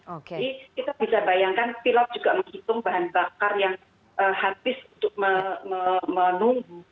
jadi kita bisa bayangkan pilot juga menghitung bahan bakar yang habis untuk menunggu